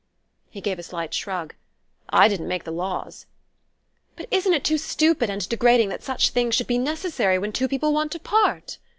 He gave a slight shrug. "I didn't make the laws...." "But isn't it too stupid and degrading that such things should be necessary when two people want to part